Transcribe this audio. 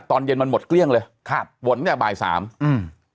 ตอนเย็นมันหมดเกลี้ยงเลยครับฝนเนี้ยบ่ายสามอืม